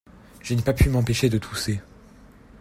Je n’ai pas pu m’empêcher de tousser.